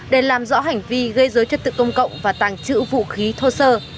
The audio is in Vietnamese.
để làm rõ hành vi gây dối chất tự công cộng và tàng trữ vũ khí thô sơ